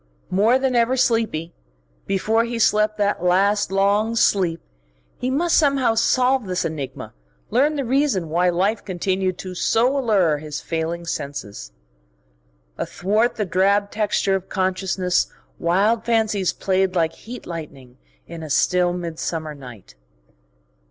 More than ever sleepy, before he slept that last, long sleep he must somehow solve this enigma, learn the reason why life continued so to allure his failing senses. Athwart the drab texture of consciousness wild fancies played like heat lightning in a still midsummer night.